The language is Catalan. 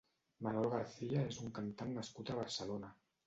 Manolo García és un cantant nascut a Barcelona.